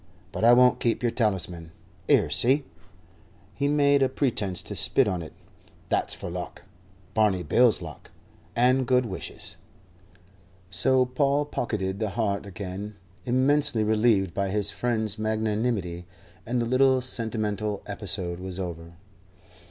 But I won't keep yer talisman. 'Ere, see " he made a pretence to spit on it "that's for luck. Barney Bill's luck, and good wishes." So Paul pocketed the heart again, immensely relieved by his friend's magnanimity, and the little sentimental episode was over.